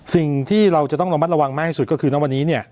สิ่งที่เราจะต้องระมัดระวังมากที่สุดก็คือณวันนี้เนี่ย